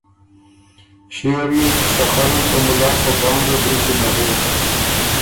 ݭيې ریوز سخرل که ته مُلا په بانګه ګری کی نغوک